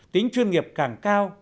tính chuyên nghiệp càng cao